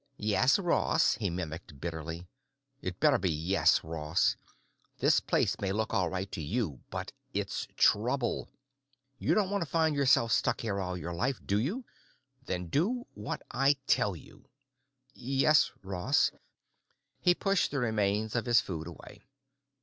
"'Yes, Ross'," he mimicked bitterly. "It better be 'Yes, Ross.' This place may look all right to you, but it's trouble. You don't want to find yourself stuck here all your life, do you? Then do what I tell you." "Yes, Ross." He pushed the remains of his food away.